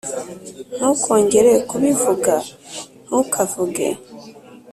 ntukongere kubivuga, ntukavuge